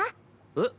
えっ？